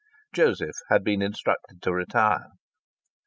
Joseph had been instructed to retire.